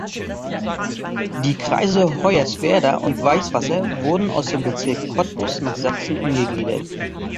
Die Kreise Hoyerswerda und Weißwasser wurden aus dem Bezirk Cottbus nach Sachsen umgegliedert.